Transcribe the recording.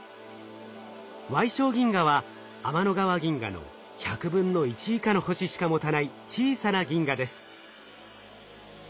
矮小銀河は天の川銀河の１００分の１以下の星しか持たない小さな銀河です。